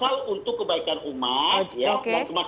jadi kita harus mengingat